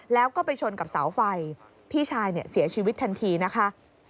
แล้วก็ไปชนกับเสาไฟพี่ชายเนี่ยเสียชีวิตทันทีนะคะ